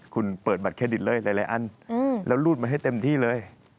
คุณเปิดบัตรเครดิตเลยหลายอันแล้วรูดมาให้เต็มที่เลย